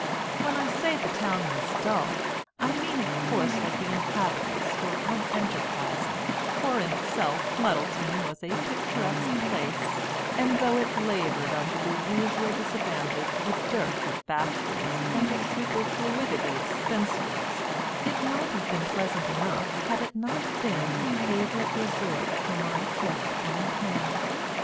When I say the town was dull, I mean, of course, that the inhabitants were unenterprising, for in itself Muddleton was a picturesque place, and though it laboured under the usual disadvantage of a dearth of bachelors and a superfluity of spinsters, it might have been pleasant enough had it not been a favourite resort for my kith and kin.